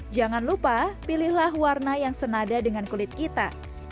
jangan lupa pilihlah warna yang senada dengan kulit kita